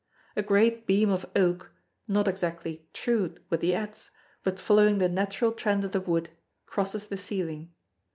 A great beam of oak, not exactly "trued" with the adze but following the natural trend of the wood, crosses the ceiling.